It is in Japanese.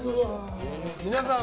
皆さん